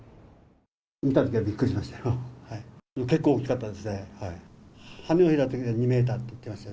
見たときはびっくりしましたよ。